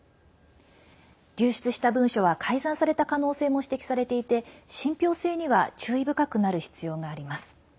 流出した文書は改ざんされた可能性も指摘されていて信ぴょう性には注意深くなる必要があります。